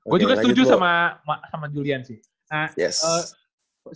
gue juga setuju sama julian sih